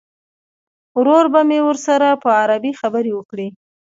ورور به مې ورسره په عربي خبرې وکړي.